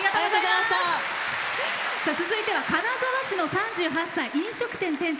続いては金沢市の３８歳、飲食店店長。